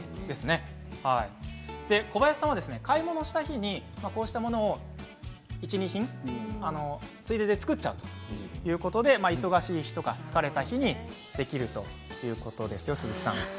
小林さんは買い物をした日にこうしたものを１、２品ついでで作ってしまうということで忙しい日とか、疲れた日にできるということなんです。